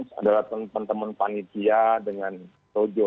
hence adalah teman teman panitia dengan projo